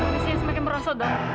mesinnya semakin merosot dok